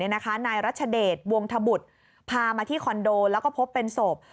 นายรัชเดชวงธบุตรพามาที่คอนโดแล้วก็พบเป็นศพ